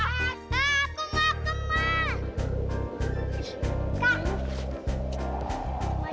ah aku mau ke mal